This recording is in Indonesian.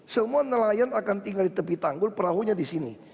semua nelayan akan tinggal di tepi tanggul perahunya di sini